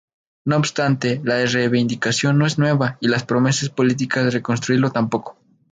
No obstante, la reivindicación no es nueva y las promesas políticas de construirlo tampoco.